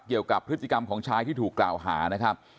เกี่ยวกับพฤติกรรมของชายที่ถูกกล่าวหานะครับ